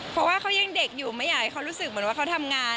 เพราะว่าเขายังเด็กอยู่ไม่อยากให้เขารู้สึกเหมือนว่าเขาทำงาน